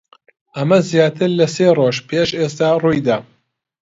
ئەمە زیاتر لە سێ ڕۆژ پێش ئێستا ڕووی دا.